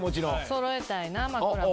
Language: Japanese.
そろえたいな枕も。